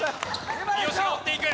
三好が追っていく。